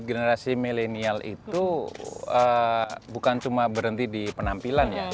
generasi milenial itu bukan cuma berhenti di penampilan ya